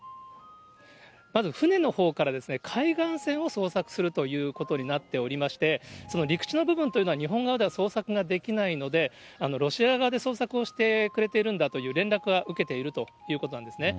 まず船のほうから、海岸線を捜索するということになっておりまして、その陸地の部分というのは、日本側では捜索ができないので、ロシア側で捜索をしてくれているんだという連絡は受けているということなんですね。